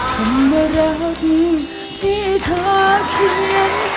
ทำได้แล้วที่ที่เธอเขียน